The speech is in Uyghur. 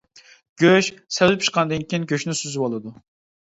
گۆش، سەۋزە پىشقاندىن كېيىن، گۆشنى سۈزۈۋالىدۇ.